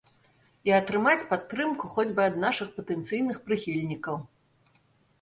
І атрымаць падтрымку хоць бы ад нашых патэнцыйных прыхільнікаў.